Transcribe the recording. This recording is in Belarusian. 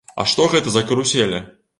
А што гэта за каруселі?